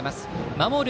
守る